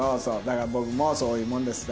だから僕もそういうもんです。